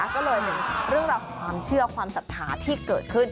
ก็เลยหนึ่งเรื่องราวของความเชื่อความศรัทธาที่เกิดขึ้น